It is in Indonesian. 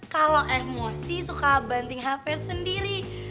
kalau emosi suka banting hp sendiri